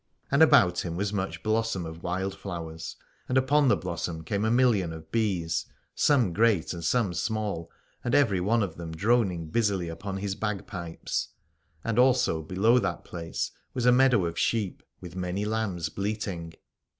And about him was much blossom of wild flowers, and upon the blossom came a million of bees, some great and some small, and every one of them droning busily upon his bagpipes : and also below that place was a meadow of sheep with many lambs bleating.